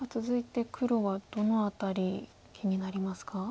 続いて黒はどの辺り気になりますか？